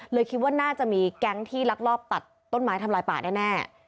คิดว่าน่าจะมีแก๊งที่ลักลอบตัดต้นไม้ทำลายป่าแน่